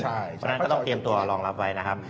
เพราะฉะนั้นก็ต้องเตรียมตัวรองรับไว้นะครับ